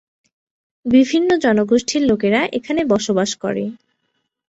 বিভিন্ন জনগোষ্ঠীর লোকেরা এখানে বসবাস করে।